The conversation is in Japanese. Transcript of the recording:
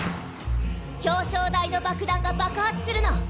表彰台の爆弾が爆発するの！